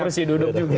beda persi duduk juga